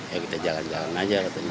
ya kita jalan jalan aja katanya